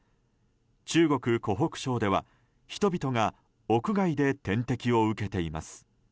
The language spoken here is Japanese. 中国・湖北省では、人々が屋外で点滴を受けています。